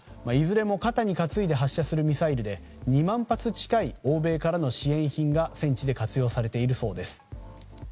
いずれも肩に担いで発射するミサイルで２万発近い欧米からの支援品が戦地で活用されているそうです。